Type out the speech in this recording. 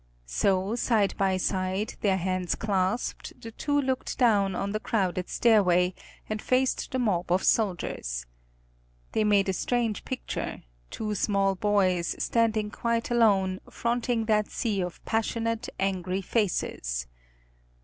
So, side by side, their hands clasped, the two looked down on the crowded stairway, and faced the mob of soldiers. They made a strange picture, two small boys, standing quite alone, fronting that sea of passionate, angry faces.